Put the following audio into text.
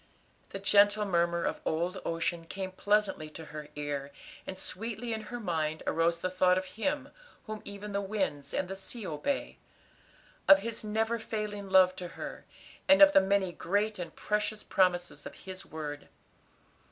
The gentle murmur of old ocean came pleasantly to her ear, and sweetly in her mind arose the thought of Him whom even the winds and the sea obey; of His never failing love to her, and of the many great and precious promises of His word.